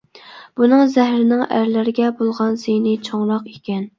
بۇنىڭ زەھىرىنىڭ ئەرلەرگە بولغان زىيىنى چوڭراق ئىكەن.